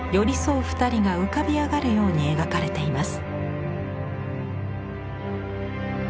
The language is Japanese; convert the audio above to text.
２人が浮かび上がるように描かれています。